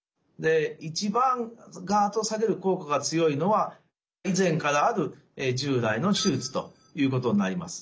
一番眼圧を下げる効果が強いのは以前からある従来の手術ということになります。